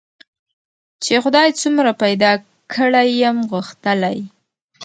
چي خدای څومره پیدا کړی یم غښتلی